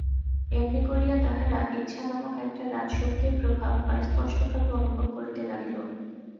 এমনি করিয়া তাহারা ইচ্ছানামক একটা রাজশক্তির প্রভাব অস্পষ্টভাবে অনুভব করিতে লাগিল।